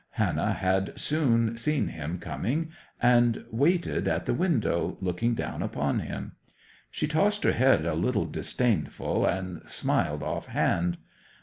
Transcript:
Hannah had soon seen him coming, and waited at the window, looking down upon him. She tossed her head a little disdainful and smiled off hand.